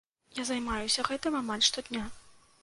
Я займаюся гэтым амаль штодня.